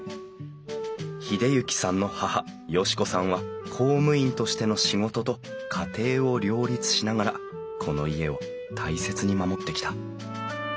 英之さんの母嘉子さんは公務員としての仕事と家庭を両立しながらこの家を大切に守ってきた。